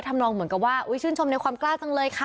ทำนองเหมือนกับว่าชื่นชมในความกล้าจังเลยค่ะ